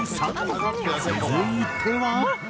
続いては。